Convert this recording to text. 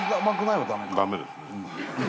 ダメですね。